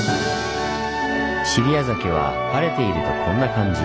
尻屋崎は晴れているとこんな感じ。